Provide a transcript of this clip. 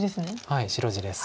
はい白地です。